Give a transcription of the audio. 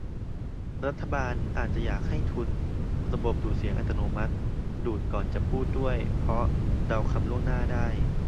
รัฐบาลอาจจะอยากให้ทุน ระบบดูดเสียงอัตโนมัติ ดูดก่อนจะพูดด้วย เพราะเดาคำล่วงหน้าได้